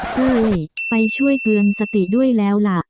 เฮ้ยไปช่วยเตือนสติด้วยแล้วล่ะ